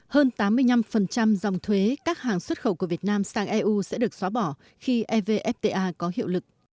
hơn tám mươi năm dòng thuế các hàng xuất khẩu của việt nam sang eu sẽ được xóa bỏ khi evfta có hiệu lực